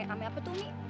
ame apa tuh mi